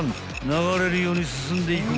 ［流れるように進んでいく］